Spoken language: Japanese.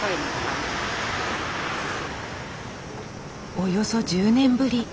およそ１０年ぶり！